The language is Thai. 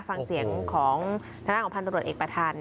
ฟังเสียงของทางด้านของพันตรวจเอกประธาน